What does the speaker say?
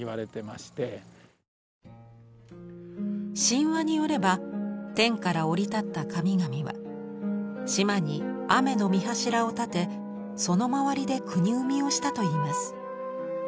神話によれば天から降り立った神々は島に天の御柱を建てその周りで国生みをしたといいます。